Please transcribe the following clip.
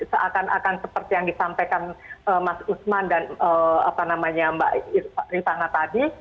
seakan akan seperti yang disampaikan mas usman dan mbak rifana tadi